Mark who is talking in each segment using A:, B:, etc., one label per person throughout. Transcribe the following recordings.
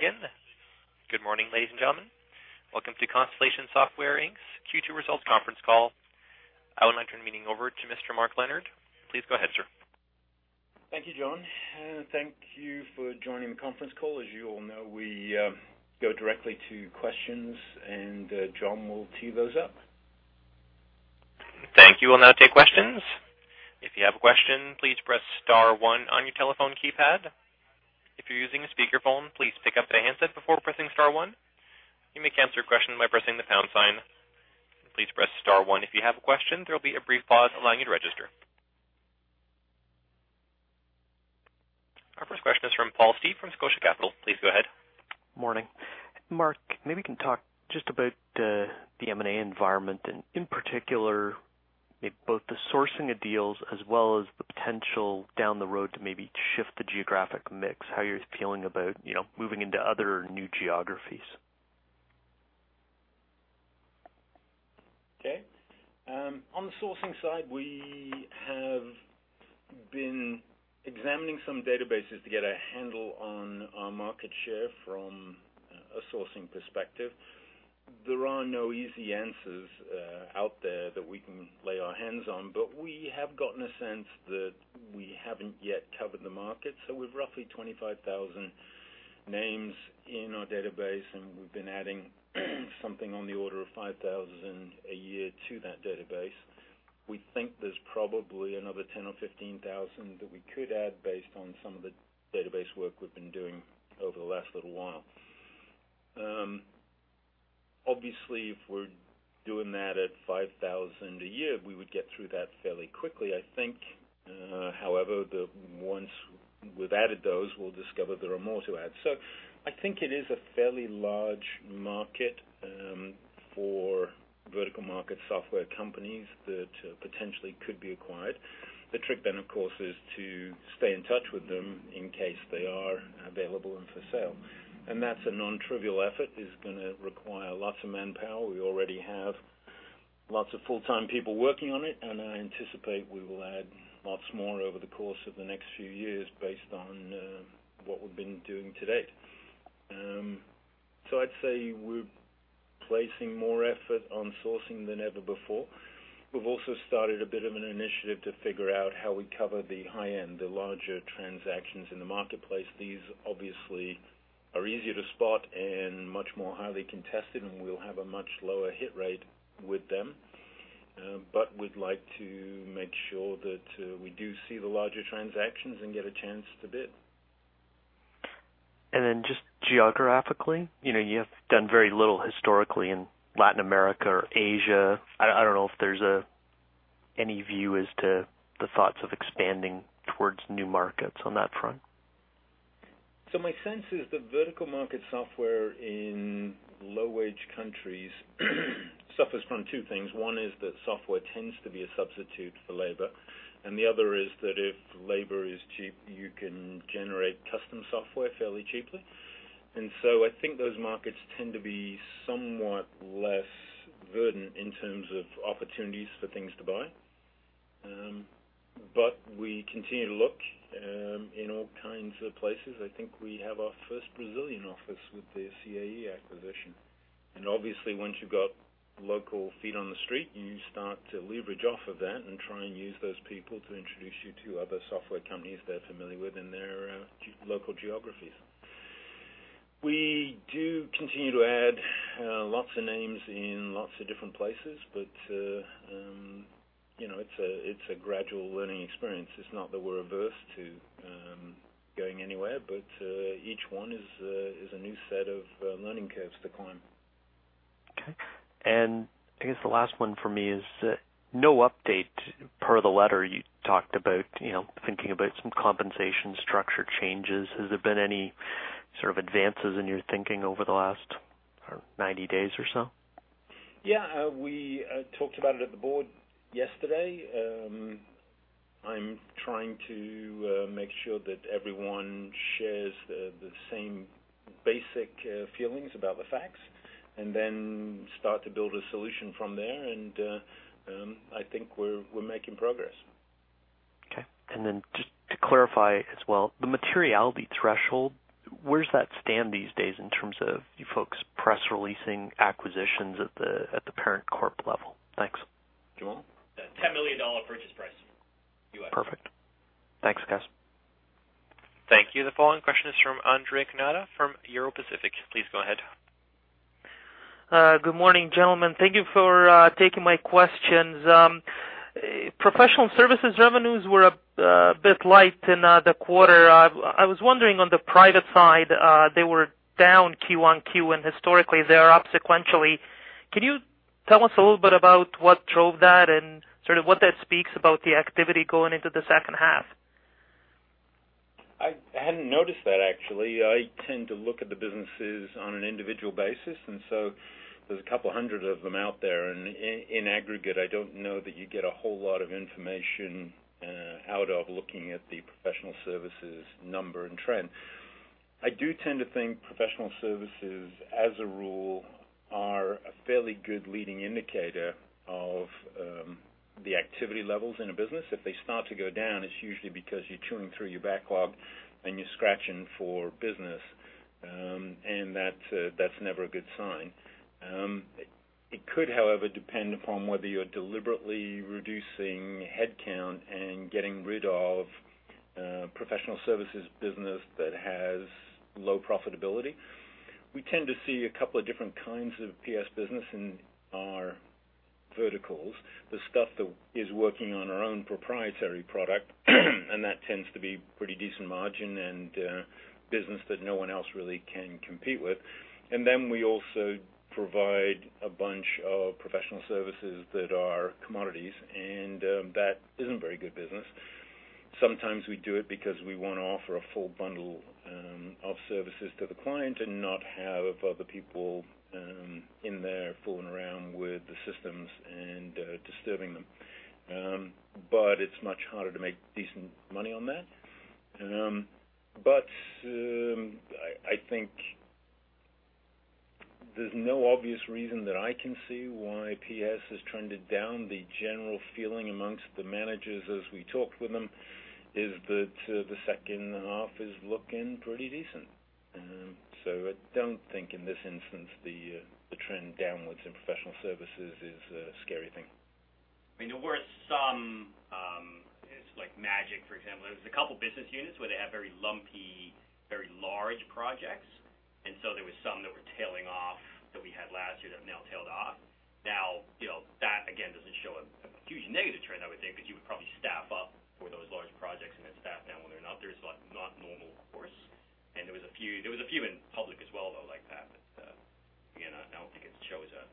A: To begin. Good morning, ladies and gentlemen. Welcome to Constellation Software Inc's Q2 results conference call. I would like to turn the meeting over to Mr. Mark Leonard. Please go ahead, sir.
B: Thank you, John, and thank you for joining the conference call. As you all know, we go directly to questions, and John will tee those up.
A: Thank you. We'll now take questions. If you have a question, please press star one on your telephone keypad. If you're using a speakerphone, please pick up the handset before pressing star one. You may cancel your question by pressing the pound sign. Please press star one if you have a question. There will be a brief pause allowing you to register. Our first question is from Paul Steep from Scotia Capital. Please go ahead.
C: Morning. Mark, maybe you can talk just about the M&A environment and in particular, maybe both the sourcing of deals as well as the potential down the road to maybe shift the geographic mix, how you're feeling about, you know, moving into other new geographies?
B: On the sourcing side, we have been examining some databases to get a handle on our market share from a sourcing perspective. There are no easy answers out there that we can lay our hands on, but we have gotten a sense that we haven't yet covered the market. We've roughly 25,000 names in our database, and we've been adding something on the order of 5,000 a year to that database. We think there's probably another 10,000 or 15,000 that we could add based on some of the database work we've been doing over the last little while. Obviously, if we're doing that at 5,000 a year, we would get through that fairly quickly, I think. However, once we've added those, we'll discover there are more to add. I think it is a fairly large market for vertical market software companies that potentially could be acquired. The trick then, of course, is to stay in touch with them in case they are available and for sale. That's a non-trivial effort, is gonna require lots of manpower. We already have lots of full-time people working on it, and I anticipate we will add lots more over the course of the next few years based on what we've been doing to date. I'd say we're placing more effort on sourcing than ever before. We've also started a bit of an initiative to figure out how we cover the high-end, the larger transactions in the marketplace. These obviously are easier to spot and much more highly contested, and we'll have a much lower hit rate with them. We'd like to make sure that we do see the larger transactions and get a chance to bid.
C: Just geographically, you know, you have done very little historically in Latin America or Asia. I don't know if there's any view as to the thoughts of expanding towards new markets on that front.
B: My sense is that vertical market software in low-wage countries suffers from two things. One is that software tends to be a substitute for labor, and the other is that if labor is cheap, you can generate custom software fairly cheaply. I think those markets tend to be somewhat less verdant in terms of opportunities for things to buy. We continue to look in all kinds of places. I think we have our first Brazilian office with the CAE acquisition. Obviously, once you've got local feet on the street, you start to leverage off of that and try and use those people to introduce you to other software companies they're familiar with in their local geographies. We do continue to add lots of names in lots of different places, but, you know, it's a gradual learning experience. It's not that we're averse to going anywhere, but each one is a new set of learning curves to climb.
C: Okay. I guess the last one for me is, no update per the letter you talked about, you know, thinking about some compensation structure changes. Has there been any sort of advances in your thinking over the last, 90 days or so?
B: Yeah. We talked about it at the board yesterday. I'm trying to make sure that everyone shares the same basic feelings about the facts and then start to build a solution from there. I think we're making progress.
C: Okay. Just to clarify as well, the materiality threshold, where does that stand these days in terms of you folks press-releasing acquisitions at the parent corp level? Thanks.
B: John?
A: $10 million purchase price U.S.
C: Perfect. Thanks, guys.
A: Thank you. The following question is from Andrej Krneta from Euro Pacific. Please go ahead.
D: Good morning, gentlemen. Thank you for taking my questions. Professional services revenues were a bit light in the quarter. I was wondering on the private side, they were down Q-on-Q. Historically, they're up sequentially. Can you tell us a little bit about what drove that and sort of what that speaks about the activity going into the second half?
B: I hadn't noticed that actually. I tend to look at the businesses on an individual basis, there's a couple of hundred of them out there. In aggregate, I don't know that you get a whole lot of information out of looking at the professional services number and trend. I do tend to think professional services, as a rule, are a fairly good leading indicator of the activity levels in a business. If they start to go down, it's usually because you're chewing through your backlog and you're scratching for business, that's never a good sign. It could, however, depend upon whether you're deliberately reducing headcount and getting rid of professional services business that has low profitability. We tend to see a couple of different kinds of PS business in our verticals. The stuff that is working on our own proprietary product, that tends to be pretty decent margin and business that no one else really can compete with. Then we also provide a bunch of professional services that are commodities, that isn't very good business. Sometimes we do it because we wanna offer a full bundle of services to the client and not have other people in there fooling around with the systems and disturbing them. It's much harder to make decent money on that. I think there's no obvious reason that I can see why PS has trended down. The general feeling amongst the managers as we talk with them is that the second half is looking pretty decent. I don't think in this instance the trend downwards in professional services is a scary thing.
E: I mean, there were some, it's like MAJIQ, for example. There's a couple business units where they have very lumpy, very large projects. There was some that were tailing off that we had last year that have now tailed off. You know, that again doesn't show a huge negative trend, I would think, because you would probably staff up for those large projects and then staff down when they're not there. That's not normal, of course. There was a few in public as well, though, like that. Again, I don't think it shows a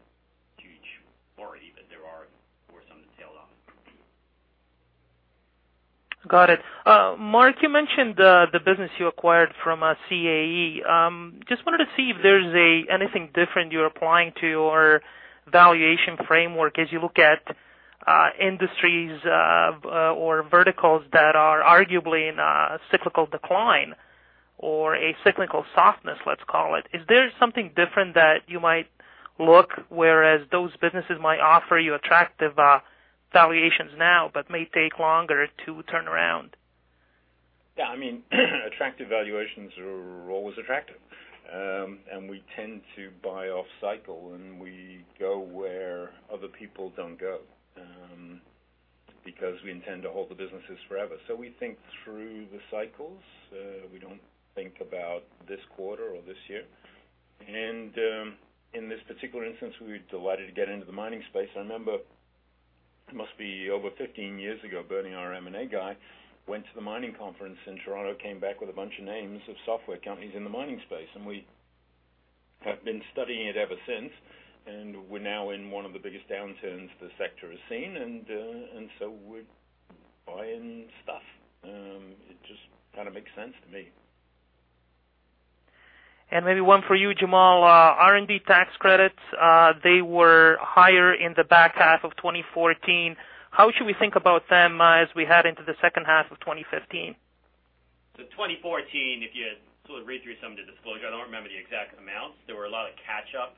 E: huge worry that there were some that tailed off.
D: Got it. Mark, you mentioned the business you acquired from CAE. Just wanted to see if there's anything different you're applying to your valuation framework as you look at industries or verticals that are arguably in a cyclical decline or a cyclical softness, let's call it. Is there something different that you might look whereas those businesses might offer you attractive valuations now, but may take longer to turn around?
B: Yeah, I mean, attractive valuations are always attractive. We tend to buy off cycle, and we go where other people don't go, because we intend to hold the businesses forever. We think through the cycles. We don't think about this quarter or this year. In this particular instance, we're delighted to get into the mining space. I remember it must be over 15 years ago, Bernie, our M&A guy, went to the mining conference in Toronto, came back with a bunch of names of software companies in the mining space, and we have been studying it ever since. We're now in one of the biggest downturns the sector has seen. We're buying stuff. It just kinda makes sense to me.
D: Maybe one for you, Jamal. R&D tax credits, they were higher in the back half of 2014. How should we think about them as we head into the second half of 2015?
E: 2014, if you sort of read through some of the disclosure, I don't remember the exact amounts. There were a lot of catch-up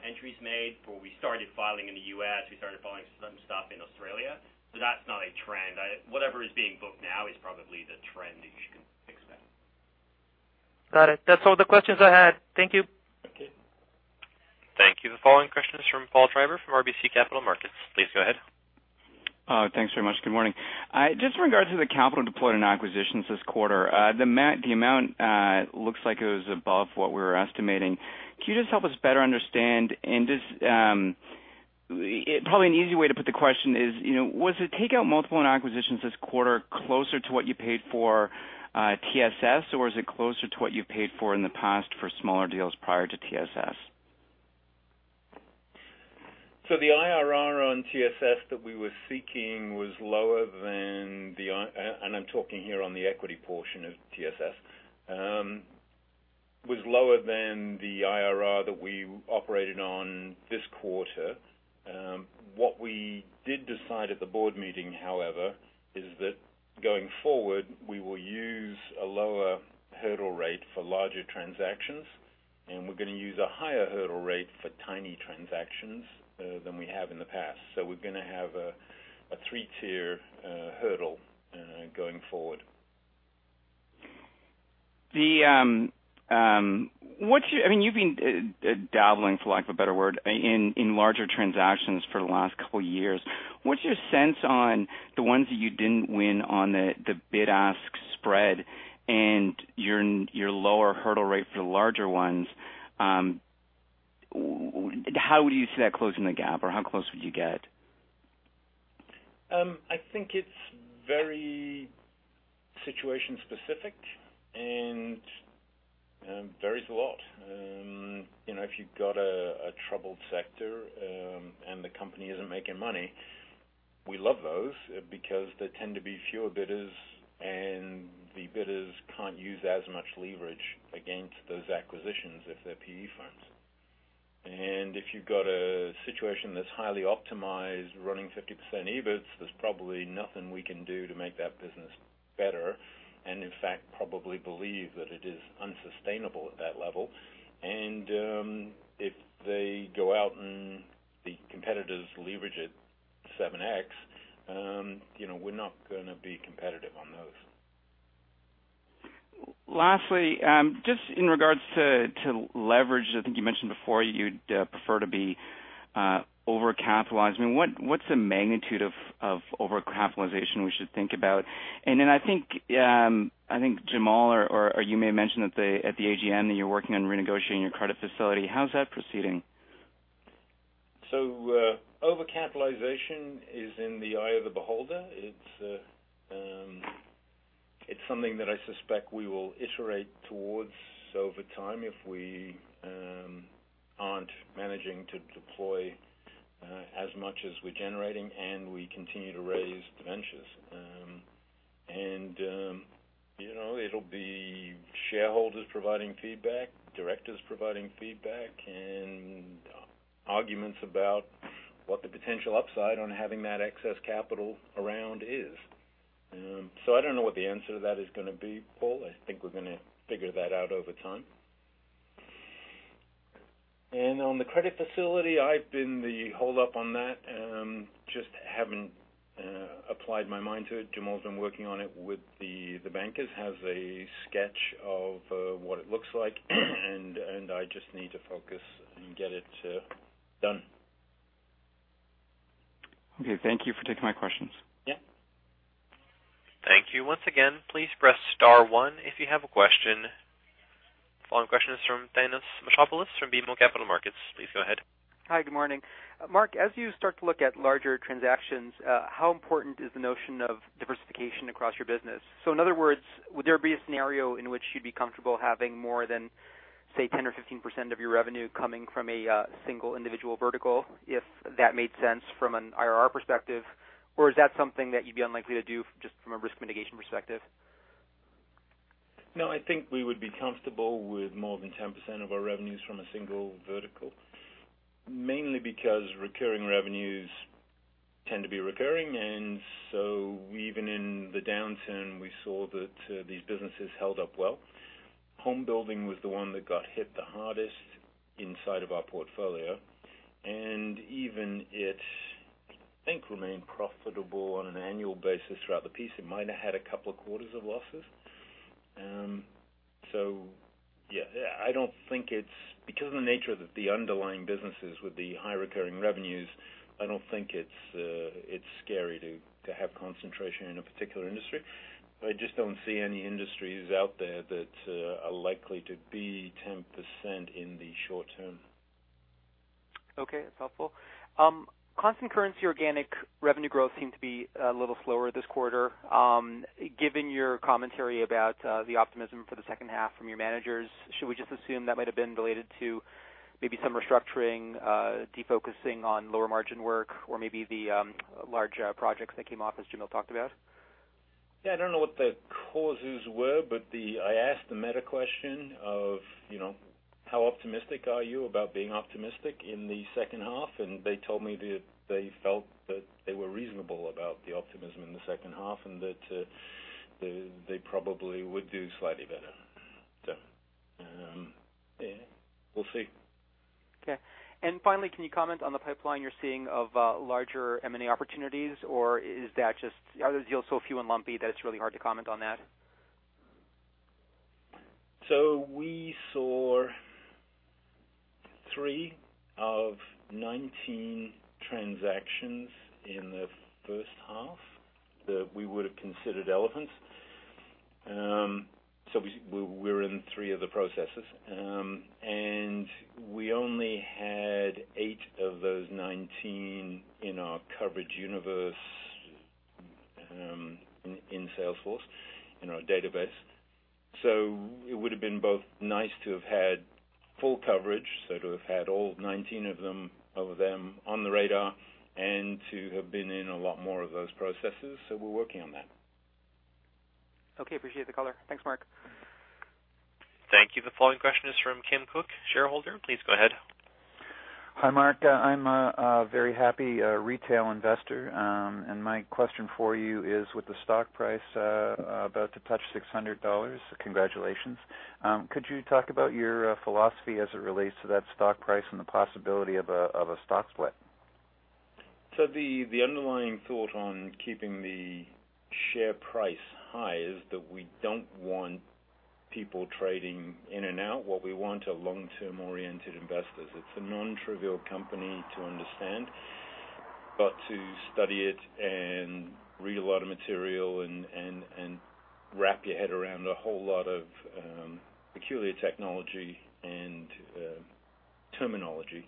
E: entries made before we started filing in the U.S. We started filing some stuff in Australia. That's not a trend. Whatever is being booked now is probably the trend that you should expect.
D: Got it. That's all the questions I had. Thank you.
B: Thank you.
A: Thank you. The following question is from Paul Treiber from RBC Capital Markets. Please go ahead.
F: Thanks very much. Good morning. Just in regards to the capital deployed in acquisitions this quarter, the amount looks like it was above what we were estimating. Can you just help us better understand and just, probably an easy way to put the question is, you know, was the takeout multiple and acquisitions this quarter closer to what you paid for TSS, or is it closer to what you paid for in the past for smaller deals prior to TSS?
B: The IRR on TSS that we were seeking, and I'm talking here on the equity portion of TSS, was lower than the IRR that we operated on this quarter. What we did decide at the board meeting, however, is that going forward, we will use a lower hurdle rate for larger transactions, and we're gonna use a higher hurdle rate for tiny transactions than we have in the past. We're gonna have a three-tier hurdle going forward.
F: I mean, you've been dabbling, for lack of a better word, in larger transactions for the last couple years. What's your sense on the ones that you didn't win on the bid-ask spread and your lower hurdle rate for the larger ones? How would you see that closing the gap or how close would you get?
B: I think it's very situation specific and varies a lot. You know, if you've got a troubled sector and the company isn't making money, we love those because there tend to be fewer bidders, and the bidders can't use as much leverage against those acquisitions if they're PE firms. If you've got a situation that's highly optimized, running 50% EBIT, there's probably nothing we can do to make that business better and in fact, probably believe that it is unsustainable at that level. If they go out and the competitors leverage it 7x, you know, we're not gonna be competitive on those.
F: Lastly, just in regards to leverage, I think you mentioned before you'd prefer to be overcapitalized. I mean, what's the magnitude of overcapitalization we should think about? Then I think, I think Jamal or you may have mentioned at the AGM that you're working on renegotiating your credit facility. How's that proceeding?
B: Overcapitalization is in the eye of the beholder. It's something that I suspect we will iterate towards over time if we aren't managing to deploy as much as we're generating and we continue to raise ventures. You know, it'll be shareholders providing feedback, directors providing feedback, and arguments about what the potential upside on having that excess capital around is. I don't know what the answer to that is gonna be, Paul. I think we're gonna figure that out over time. On the credit facility, I've been the holdup on that. Just haven't applied my mind to it. Jamal's been working on it with the bankers, has a sketch of what it looks like, and I just need to focus and get it done.
F: Okay. Thank you for taking my questions.
B: Yeah.
A: Thank you. Once again, please press star one if you have a question. Following question is from Thanos Moschopoulos from BMO Capital Markets. Please go ahead.
G: Hi. Good morning. Mark, as you start to look at larger transactions, how important is the notion of diversification across your business? In other words, would there be a scenario in which you'd be comfortable having more than, say, 10% or 15% of your revenue coming from a single individual vertical, if that makes sense from an IRR perspective? Is that something that you'd be unlikely to do just from a risk mitigation perspective?
B: I think we would be comfortable with more than 10% of our revenues from a single vertical, mainly because recurring revenues tend to be recurring. Even in the downturn, we saw that these businesses held up well. Home building was the one that got hit the hardest inside of our portfolio, and even it, I think, remained profitable on an annual basis throughout the piece. It might have had a couple of quarters of losses. Yeah, I don't think it's Because of the nature that the underlying businesses with the high recurring revenues, I don't think it's scary to have concentration in a particular industry. I just don't see any industries out there that are likely to be 10% in the short term.
G: Okay. That's helpful. Concurrent to your organic revenue growth seemed to be a little lower this quarter. Given your commentary about the optimism for the second half from your managers, should we just assume that might have been related to maybe some restructuring, defocusing on lower margin work or maybe the larger projects that came up, as Jamal talked about?
B: Yeah, I don't know what the causes were, but I asked the meta question of, you know, how optimistic are you about being optimistic in the second half? They told me that they felt that they were reasonable about the optimism in the second half and that they probably would do slightly better. Yeah, we'll see.
G: Okay. Finally, can you comment on the pipeline you're seeing of larger M&A opportunities, or Are those deals so few and lumpy that it's really hard to comment on that?
B: We saw 3 of 19 transactions in the first half that we would have considered relevant. We, we're in 3 of the processes. We only had 8 of those 19 in our coverage universe, in Salesforce, in our database. It would have been both nice to have had full coverage, to have had all 19 of them on the radar and to have been in a lot more of those processes. We're working on that.
G: Okay. Appreciate the color. Thanks, Mark.
A: Thank you. The following question is from Kim Cook, shareholder. Please go ahead.
H: Hi, Mark. I'm a very happy retail investor. My question for you is, with the stock price about to touch 600 dollars, congratulations, could you talk about your philosophy as it relates to that stock price and the possibility of a stock split?
B: The, the underlying thought on keeping the share price high is that we don't want people trading in and out. What we want are long-term oriented investors. It's a non-trivial company to understand, but to study it and read a lot of material and wrap your head around a whole lot of peculiar technology and terminology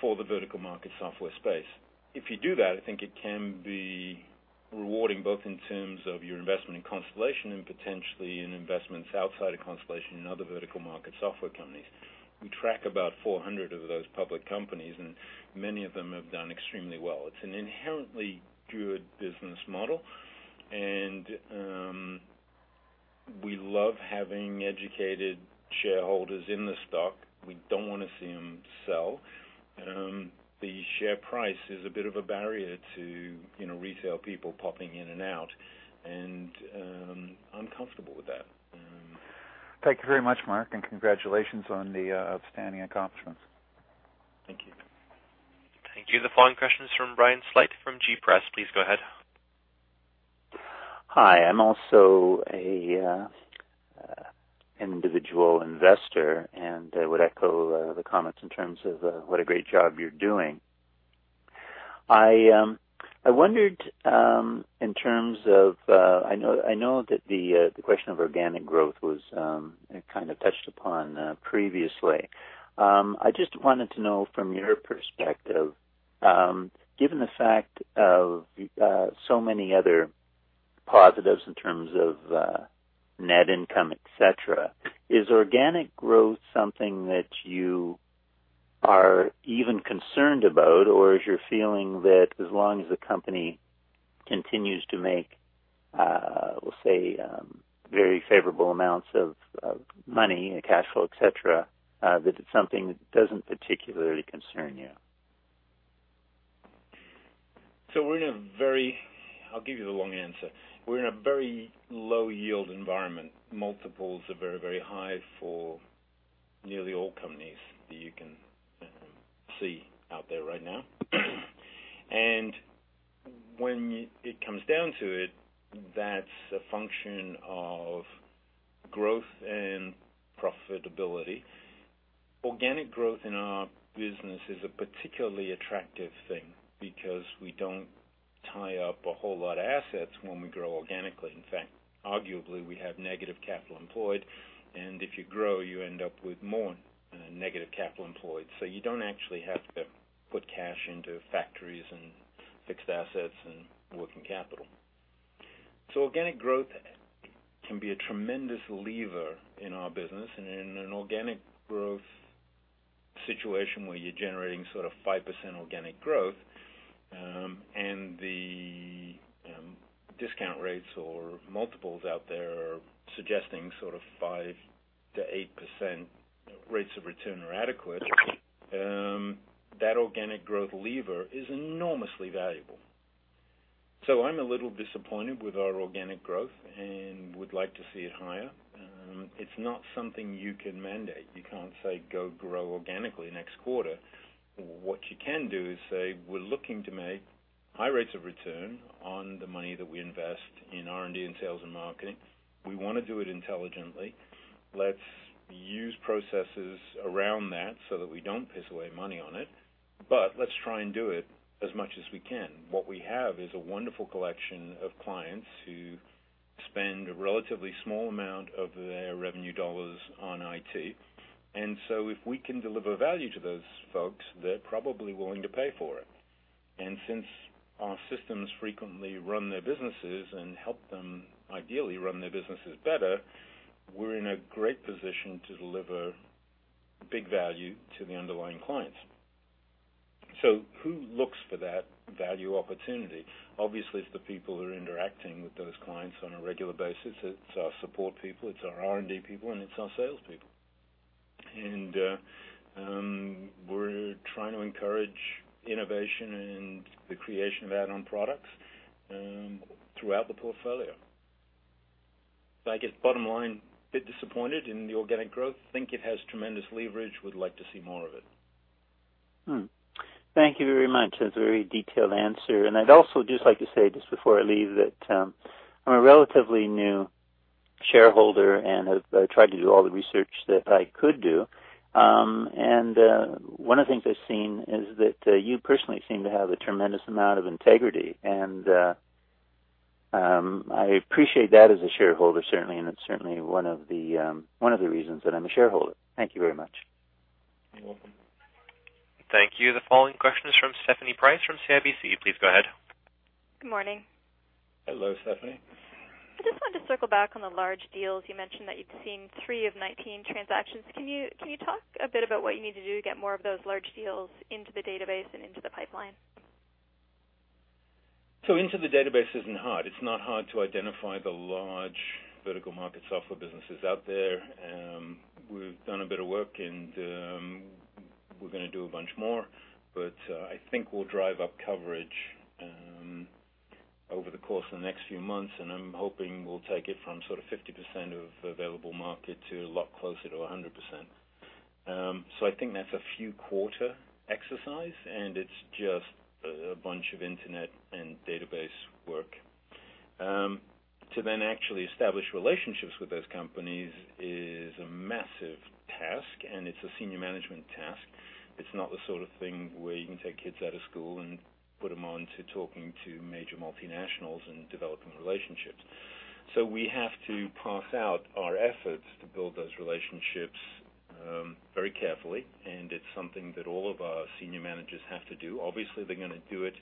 B: for the vertical market software space. If you do that, I think it can be rewarding both in terms of your investment in Constellation and potentially in investments outside of Constellation in other vertical market software companies. We track about 400 of those public companies, and many of them have done extremely well. It's an inherently good business model. We love having educated shareholders in the stock. We don't wanna see them sell. The share price is a bit of a barrier to, you know, retail people popping in and out, and I'm comfortable with that.
H: Thank you very much, Mark, and congratulations on the outstanding accomplishments.
B: Thank you.
A: Thank you. The following question is from Brian Sleight from G Press. Please go ahead.
I: Hi. I'm also a individual investor, I would echo the comments in terms of what a great job you're doing. I wondered in terms of I know that the question of organic growth was kind of touched upon previously. I just wanted to know from your perspective, given the fact of so many other positives in terms of net income, etc., is organic growth something that you are even concerned about, or is your feeling that as long as the company continues to make, let's say, very favorable amounts of money and cash flow, etc., that it's something that doesn't particularly concern you?
B: We're in a very I'll give you the long answer. We're in a very low yield environment. Multiples are very, very high for nearly all companies that you can see out there right now. When it comes down to it, that's a function of growth and profitability. Organic growth in our business is a particularly attractive thing because we don't tie up a whole lot of assets when we grow organically. In fact, arguably, we have negative capital employed, and if you grow, you end up with more negative capital employed. You don't actually have to put cash into factories and fixed assets and working capital. Organic growth can be a tremendous lever in our business. In an organic growth situation where you're generating sort of 5% organic growth, and the discount rates or multiples out there are suggesting sort of 5%-8% rates of return are adequate, that organic growth lever is enormously valuable. I'm a little disappointed with our organic growth and would like to see it higher. It's not something you can mandate. You can't say, "Go grow organically next quarter." What you can do is say, "We're looking to make high rates of return on the money that we invest in R&D and sales and marketing. We wanna do it intelligently. Let's use processes around that so that we don't piss away money on it, but let's try and do it as much as we can. If we can deliver value to those folks, they're probably willing to pay for it. Since our systems frequently run their businesses and help them ideally run their businesses better, we're in a great position to deliver big value to the underlying clients. Who looks for that value opportunity? Obviously, it's the people who are interacting with those clients on a regular basis. It's our support people, it's our R&D people, and it's our salespeople. We're trying to encourage innovation and the creation of add-on products throughout the portfolio. I guess bottom line, bit disappointed in the organic growth. Think it has tremendous leverage. Would like to see more of it.
I: Thank you very much. That's a very detailed answer. I'd also just like to say, just before I leave, that, I'm a relatively new shareholder and have tried to do all the research that I could do. One of the things I've seen is that you personally seem to have a tremendous amount of integrity, and I appreciate that as a shareholder, certainly, and it's certainly one of the reasons that I'm a shareholder. Thank you very much.
B: You're welcome.
A: Thank you. The following question is from Stephanie Price from CIBC. Please go ahead.
J: Good morning.
B: Hello, Stephanie.
J: I just wanted to circle back on the large deals. You mentioned that you've seen 3 of 19 transactions. Can you talk a bit about what you need to do to get more of those large deals into the database and into the pipeline?
B: Into the database isn't hard. It's not hard to identify the large vertical market software businesses out there. We've done a bit of work, and we're gonna do a bunch more. I think we'll drive up coverage over the course of the next few months, and I'm hoping we'll take it from sort of 50% of available market to a lot closer to 100%. I think that's a few quarter exercise, and it's just a bunch of internet and database work. To actually establish relationships with those companies is a massive task, and it's a senior management task. It's not the sort of thing where you can take kids out of school and put them on to talking to major multinationals and developing relationships. We have to parse out our efforts to build those relationships very carefully, and it's something that all of our senior managers have to do. Obviously, they're gonna do it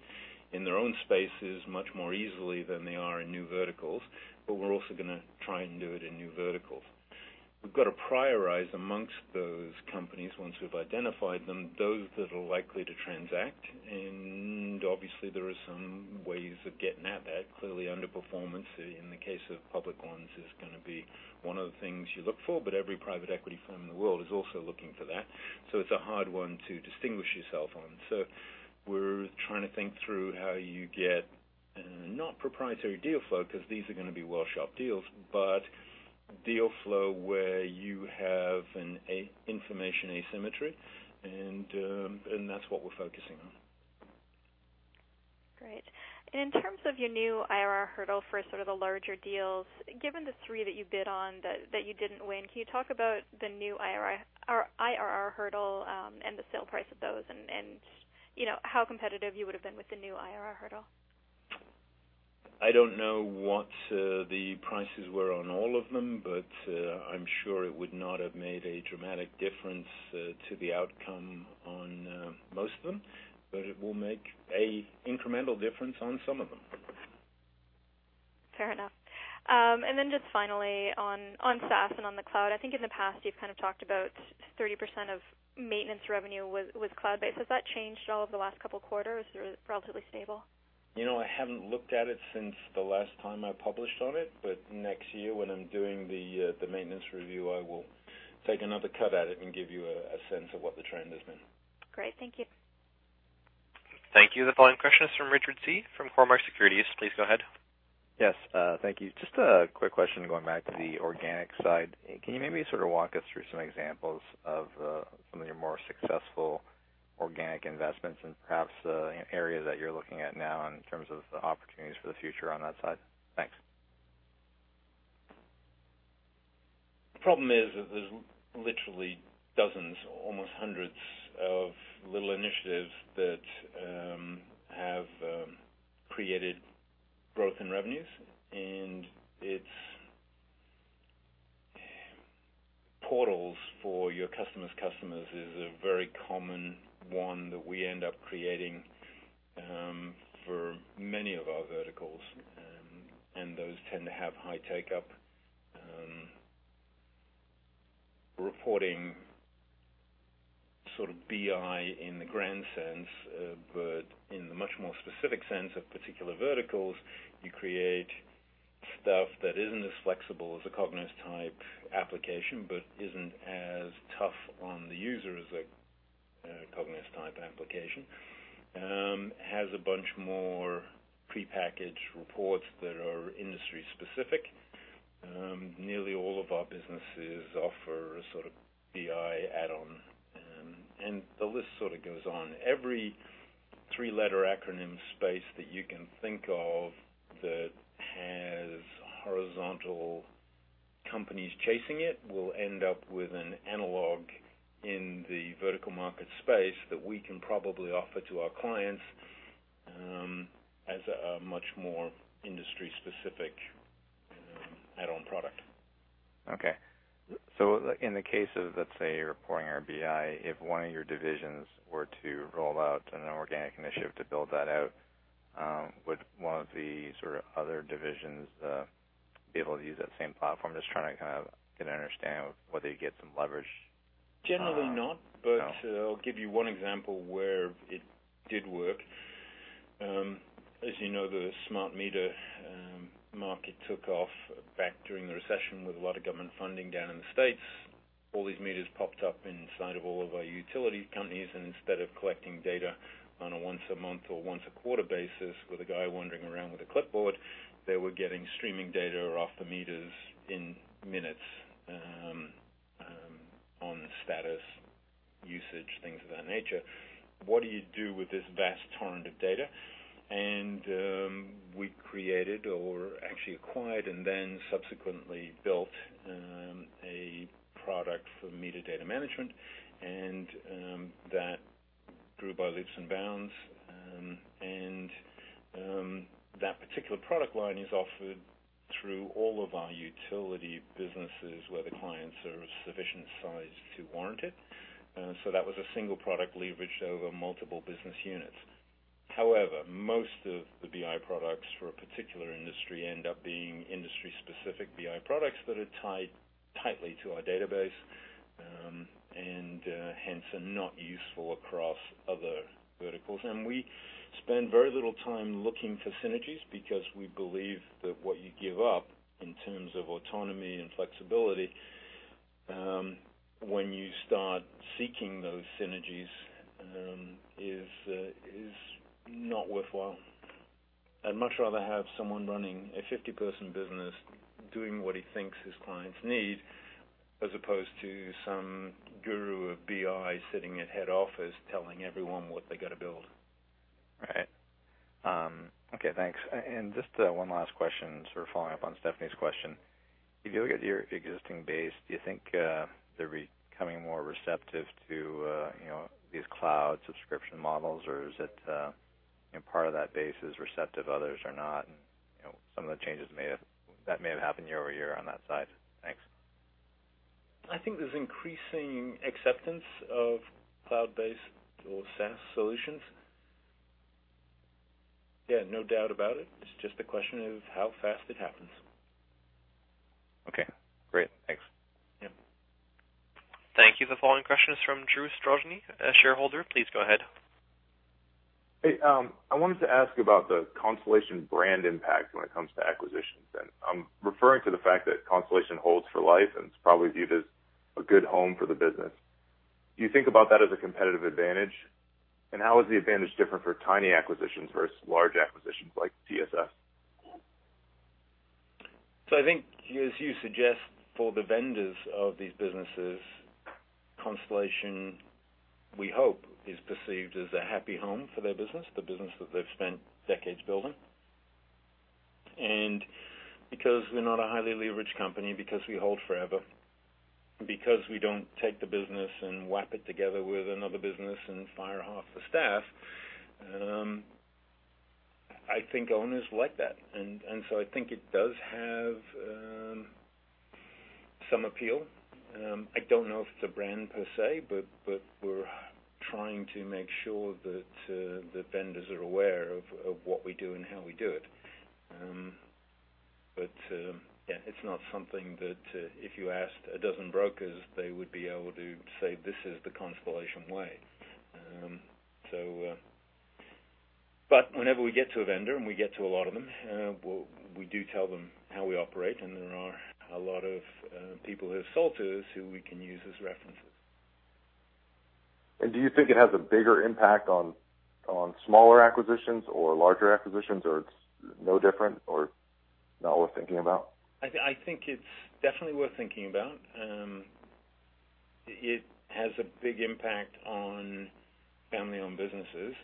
B: in their own spaces much more easily than they are in new verticals, but we're also gonna try and do it in new verticals. We've got to prioritize amongst those companies, once we've identified them, those that are likely to transact. Obviously, there are some ways of getting at that. Clearly, underperformance in the case of public ones is gonna be one of the things you look for, but every private equity firm in the world is also looking for that. It's a hard one to distinguish yourself on. We're trying to think through how you get not proprietary deal flow, because these are gonna be well sharp deals. Deal flow where you have an information asymmetry. That's what we're focusing on.
J: Great. In terms of your new IRR hurdle for sort of the larger deals, given the 3 that you bid on that you didn't win, can you talk about the new IRR hurdle, and the sale price of those and, you know, how competitive you would've been with the new IRR hurdle?
B: I don't know what, the prices were on all of them, but, I'm sure it would not have made a dramatic difference, to the outcome on, most of them. It will make a incremental difference on some of them.
J: Fair enough. Just finally on SaaS and on the cloud. I think in the past you've kind of talked about 30% of maintenance revenue was cloud-based. Has that changed at all over the last couple quarters or is it relatively stable?
B: You know, I haven't looked at it since the last time I published on it, but next year when I'm doing the maintenance review, I will take another cut at it and give you a sense of what the trend has been.
J: Great. Thank you.
A: Thank you. The following question is from Richard Tse from Cormark Securities. Please go ahead.
K: Yes, thank you. Just a quick question going back to the organic side. Can you maybe sort of walk us through some examples of some of your more successful organic investments and perhaps any area that you're looking at now in terms of opportunities for the future on that side? Thanks.
B: Problem is that there's literally dozens, almost hundreds of little initiatives that have created growth in revenues. It's portals for your customer's customers is a very common one that we end up creating for many of our verticals. Those tend to have high take-up, reporting sort of BI in the grand sense. In the much more specific sense of particular verticals, you create stuff that isn't as flexible as a Cognos type application, but isn't as tough on the user as a Cognos type application, has a bunch more prepackaged reports that are industry specific. Nearly all of our businesses offer a sort of BI add-on. The list sort of goes on. Every three-letter acronym space that you can think of that has horizontal companies chasing it will end up with an analog in the vertical market space that we can probably offer to our clients, as a much more industry specific, add-on product.
K: In the case of, let's say, reporting or BI, if one of your divisions were to roll out an organic initiative to build that out, would one of the sort of other divisions be able to use that same platform? Just trying to kind of get an understanding of whether you get some leverage.
B: Generally not.
K: Oh.
B: I'll give you one example where it did work. As you know, the smart meter market took off back during the recession with a lot of government funding down in the U.S. All these meters popped up inside of all of our utility companies. Instead of collecting data on a once a month or once a quarter basis with a guy wandering around with a clipboard, they were getting streaming data off the meters in minutes on status, usage, things of that nature. What do you do with this vast torrent of data? We created or actually acquired and then subsequently built a product for metadata management, and that grew by leaps and bounds. That particular product line is offered through all of our utility businesses where the clients are of sufficient size to warrant it. That was a single product leveraged over multiple business units. However, most of the BI products for a particular industry end up being industry specific BI products that are tied tightly to our database and hence are not useful across other verticals. We spend very little time looking for synergies because we believe that what you give up in terms of autonomy and flexibility when you start seeking those synergies is not worthwhile. I'd much rather have someone running a 50-person business doing what he thinks his clients need, as opposed to some guru of BI sitting at head office telling everyone what they gotta build.
K: Right. Okay, thanks. Just one last question, sort of following up on Stephanie's question. If you look at your existing base, do you think they're becoming more receptive to, you know, these cloud subscription models, or is it, you know, part of that base is receptive, others are not, and, you know, some of the changes may have, that may have happened year-over-year on that side? Thanks.
B: I think there's increasing acceptance of cloud-based or SaaS solutions. Yeah, no doubt about it. It's just a question of how fast it happens.
K: Okay, great. Thanks.
B: Yeah.
A: Thank you. The following question is from Drew Strojny, a shareholder. Please go ahead.
L: Hey, I wanted to ask about the Constellation brand impact when it comes to acquisitions then. I'm referring to the fact that Constellation holds for life and is probably viewed as a good home for the business. Do you think about that as a competitive advantage? How is the advantage different for tiny acquisitions versus large acquisitions like TSS?
B: I think as you suggest for the vendors of these businesses, Constellation, we hope, is perceived as a happy home for their business, the business that they've spent decades building. Because we're not a highly leveraged company, because we hold forever, because we don't take the business and whap it together with another business and fire half the staff, I think owners like that. I think it does have, some appeal. I don't know if it's a brand per se, but we're trying to make sure that, the vendors are aware of what we do and how we do it. Yeah, it's not something that, if you asked 12 brokers, they would be able to say, "This is the Constellation way." Whenever we get to a vendor, and we get to a lot of them, we do tell them how we operate, and there are a lot of people who have sold to us who we can use as references.
L: Do you think it has a bigger impact on smaller acquisitions or larger acquisitions, or it's no different or not worth thinking about?
B: I think it's definitely worth thinking about. It has a big impact on family-owned businesses.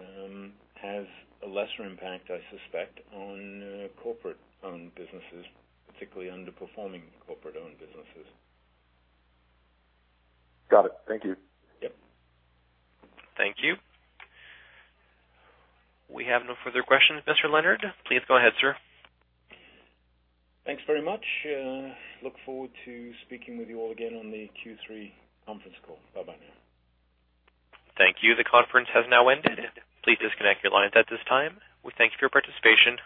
B: It has a lesser impact, I suspect, on corporate-owned businesses, particularly underperforming corporate-owned businesses.
L: Got it. Thank you.
B: Yep.
A: Thank you. We have no further questions, Mr. Leonard. Please go ahead, sir.
B: Thanks very much. Look forward to speaking with you all again on the Q3 conference call. Bye-bye now.
A: Thank you. The conference has now ended. Please disconnect your lines at this time. We thank you for your participation.